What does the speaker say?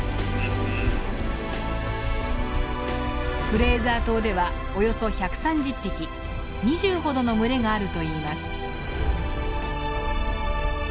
フレーザー島ではおよそ１３０匹２０ほどの群れがあるといいます。